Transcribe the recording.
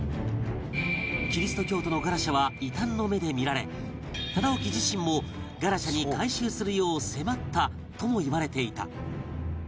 キリスト教徒のガラシャは異端の目で見られ忠興自身もガラシャに改宗するよう迫ったともいわれていた